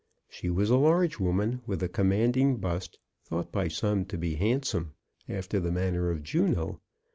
She was a large woman with a commanding bust, thought by some to be handsome, after the manner of Juno.